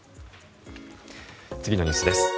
次のニュースです。